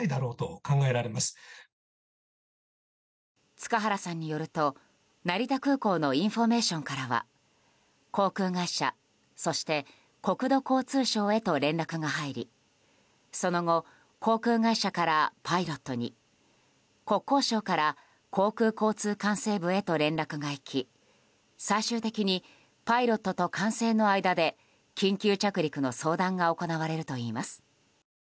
塚原さんによると成田空港のインフォメーションからは航空会社、そして国土交通省へと連絡が入りその後、航空会社からパイロットに国交省から航空交通管制部へと連絡が行き最終的にパイロットと管制の間で緊急着陸の相談が行われるといいます。